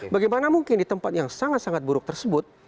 bagaimana mungkin di tempat yang sangat sangat buruk tersebut